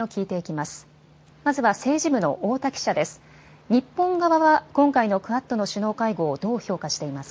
まずは政治部の太田記者です。